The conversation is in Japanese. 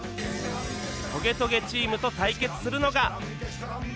トゲトゲチームと対決するのが